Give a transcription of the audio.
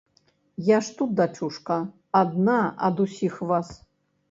Я ж тут, дачушка, адна ад усіх вас.